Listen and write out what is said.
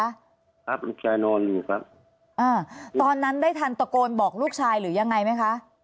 ครับลูกชายนอนอยู่ครับอ่าตอนนั้นได้ทันตะโกนบอกลูกชายหรือยังไงไหมคะ